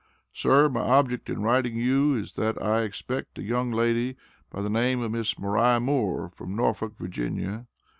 Sir my object in writing to you is that I expect a young Lady by the name of Miss Mariah Moore, from Norfolk, Virginia.